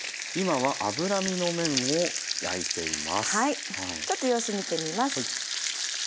はいちょっと様子見てみます。